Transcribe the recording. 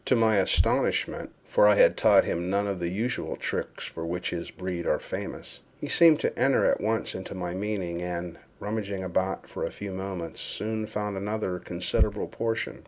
To my astonishment, (for I had taught him none of the usual tricks for which his breed are famous,) he seemed to enter at once into my meaning, and, rummaging about for a few moments, soon found another considerable portion.